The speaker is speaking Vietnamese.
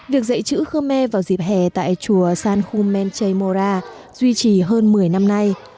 việc dạy chữ khmer vào dịp hè tại chùa san khum menchay mora duy trì hơn một mươi năm nay